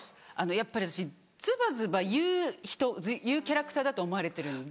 やっぱり私ずばずば言う人言うキャラクターだと思われてるんで。